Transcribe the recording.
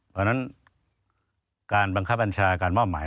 เพราะฉะนั้นการบังคับบัญชาการมอบหมาย